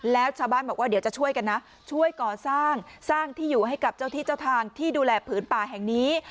แล้วชาวบ้านบอกว่าเดี๋ยวจะช่วยกันนะช่วยก่อสร้างสร้างที่อยู่ให้กับเจ้าที่เจ้าทางที่ดูแลผืนป่าแห่งนี้